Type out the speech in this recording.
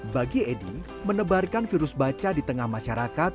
bagi edy menebarkan virus baca di tengah masyarakat